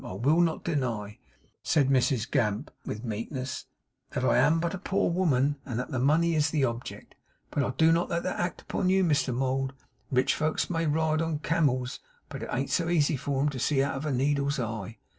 I will not deny,' said Mrs Gamp with meekness, 'that I am but a poor woman, and that the money is a object; but do not let that act upon you, Mr Mould. Rich folks may ride on camels, but it an't so easy for 'em to see out of a needle's eye.